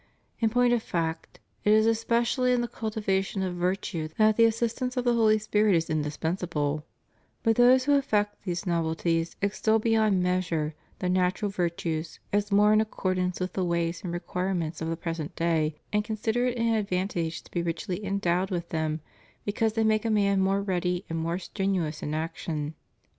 In point of fact, it is especially in the cultiva tion of virtue that the assistance of the Holy Spirit is indispensable; but those who affect these novelties extol beyond measure the natural virtues as more in accordance with the ways and requirements of the present day, and consider it an advantage to be richly endowed with them, because they make a man more ready and more strenuous in action.